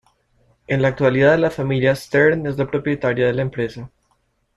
En la actualidad la familia Stern es la propietaria de la empresa.